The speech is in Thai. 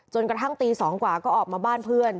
กระทั่งตี๒กว่าก็ออกมาบ้านเพื่อน